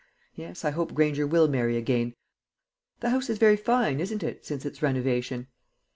Yes, I hope Granger will marry again. The house is very fine, isn't it, since its renovation?"